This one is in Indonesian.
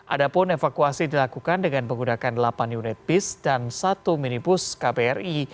ada pun evakuasi dilakukan dengan penggunaan delapan unit bis dan satu minibus kpri